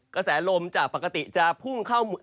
กระแสลมันจะพุ่งเข้า